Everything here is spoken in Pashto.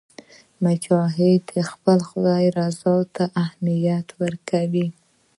مجاهد د خپل خدای رضا ته اهمیت ورکوي.